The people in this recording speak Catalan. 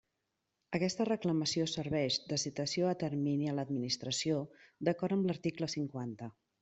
Aquesta reclamació serveix de citació a termini a l'administració, d'acord amb l'article cinquanta.